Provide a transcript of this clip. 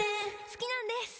「好きなんです」